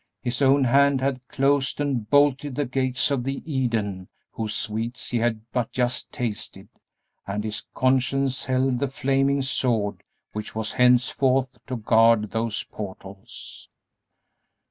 His own hand had closed and bolted the gates of the Eden whose sweets he had but just tasted, and his conscience held the flaming sword which was henceforth to guard those portals.